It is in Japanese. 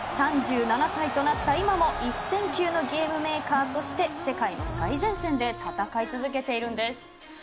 ３７歳となった今も一線級のゲームメーカーとして世界の最前線で戦い続けているんです。